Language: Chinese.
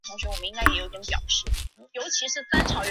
施工初期曾因接头漏风发生过有害气体中毒事故。